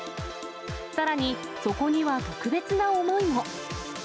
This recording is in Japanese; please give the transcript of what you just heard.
さらに、そこには特別な思いも。